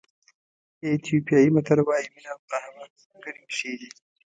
ایتیوپیایي متل وایي مینه او قهوه ګرمې ښې دي.